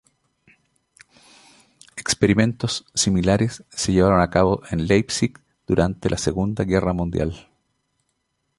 Experimentos similares se llevaron a cabo en Leipzig durante la Segunda Guerra Mundial.